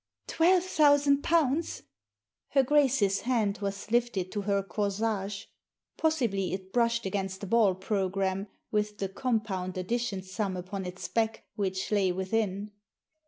"Twelve thousand pounds!" Her Grace's hand was lifted to her corsage. Possibly it brushed against the ball programme, with the compound addition sum upon its back, which lay within.